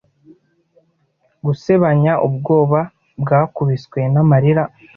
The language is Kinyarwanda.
Gusebanya, ubwoba bwakubiswe, n'amarira,